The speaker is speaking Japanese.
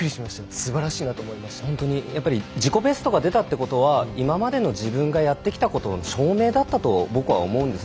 すばらしいな自己ベストが出たということは今までの自分がやってきたことの証明だったと僕は思うんです。